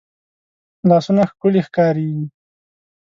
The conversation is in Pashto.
لاسونه ښکلې ښکارېږي